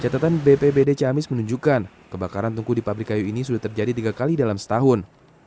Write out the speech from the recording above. catatan bpbd ciamis menunjukkan kebakaran tungku di pabrik kayu ini sudah terjadi tiga kali dalam setahun